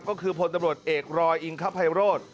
ก็คือพลตำรวจเอกรอยอิงคภัยโรธ